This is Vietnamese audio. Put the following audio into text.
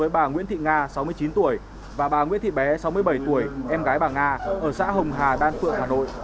bà nguyễn thị nga sáu mươi chín tuổi và bà nguyễn thị bé sáu mươi bảy tuổi em gái bà nga ở xã hồng hà đan phượng hà nội